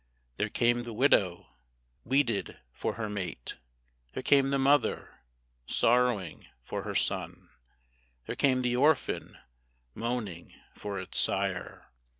There came the widow, weeded for her mate; There came the mother, sorrowing for her son; There came the orphan, moaning for its sire.